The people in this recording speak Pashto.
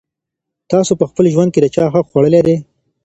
تاسي په خپل ژوند کي د چا حق خوړلی دی؟